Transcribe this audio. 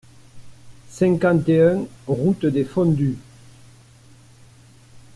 cinquante et un route des Fondus